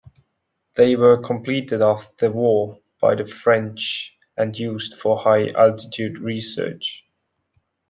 They were completed after the war by the French and used for high-altitude research.